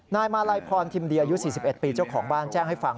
นายมาลัยพรทิมดีอายุ๔๑ปีเจ้าของบ้านแจ้งให้ฟัง